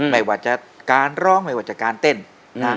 ไม่ว่าจะการร้องไม่ว่าจะการเต้นนะ